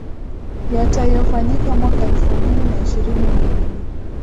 yatayofanyika mwaka elfu mbili na ishirini na mbili